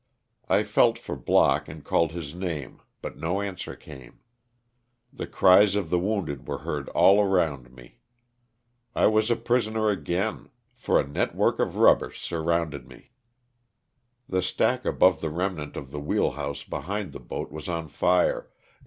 I felt for Block and called his name but no answer came. The cries of the wounded were heard all around me. I was a prisoner again, for a network of rubbish sur LOSS OF THE SULTANA. 151 rounded me. The stack above the remnaut of the wheel house behind the boat was on fire, and.